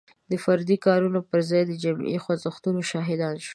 د فردي کارونو پر ځای د جمعي خوځښتونو شاهدان شو.